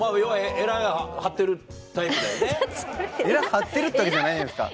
エラ張ってるってわけじゃないんじゃないですか。